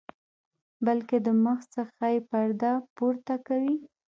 بلکې د مخ څخه یې پرده پورته کوي.